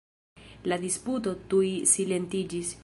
La disputo tuj silentiĝis.